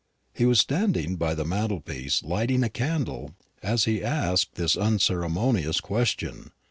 He was standing by the mantelpiece lighting a candle as he asked this unceremonious question.